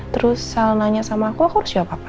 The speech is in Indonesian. terus sel nanya sama aku aku harus jawab apa